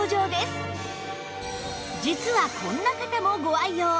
実はこんな方もご愛用